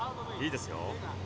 いいですよ。